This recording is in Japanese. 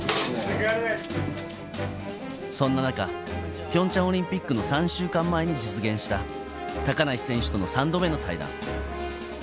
そんな中、ピョンチャンオリンピックの３週間前に実現した高梨選手との３度目の対談。